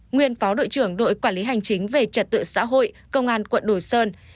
nguyên phó đội trưởng đội quản lý hành chính về trật tự xã hội công an quận đồ sơn